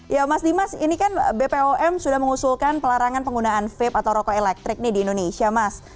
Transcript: ya mas dimas ini kan bpom sudah mengusulkan pelarangan penggunaan vape atau rokok elektrik nih di indonesia mas